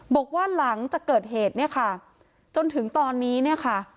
บอกว่าหลังจากเกิดเหตุเนี่ยค่ะจนถึงตอนนี้เนี่ยค่ะ